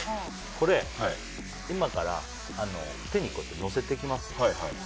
これ、今から手に乗せていきますね。